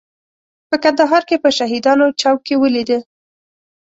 په کندهار کې په شهیدانو چوک کې ولیده.